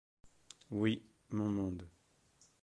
Oui, mon monde.